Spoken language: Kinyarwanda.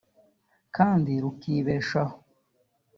kandi rukibeshaho